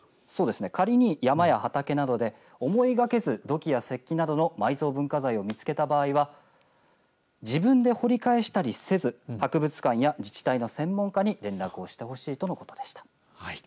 仮に山や畑などで思いがけず土器や石器などの埋蔵文化財を見つけた場合は自分で掘り返したりせず博物館や自治体の専門家に連絡をしてほしいとのことでした。